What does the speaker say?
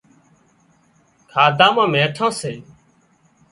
کاڌا مان نيٺان سي